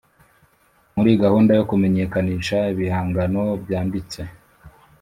muri gahunda yo kumenyekanisha ibihangano byanditse